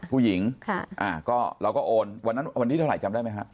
ผู้หญิงเราก็โอนวันนี้เท่าไหร่จำได้ไหมครับ